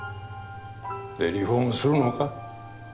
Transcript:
でリフォームするのか？